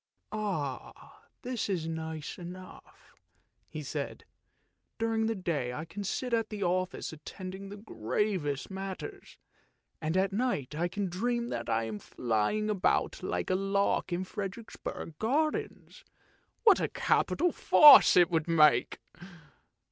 " This is nice enough," he said; " during the day I can sit at the office attending to the gravest matters, and at night I can dream that I am flying about like a lark in Frederiksborg gar dens. What a capital farce it would make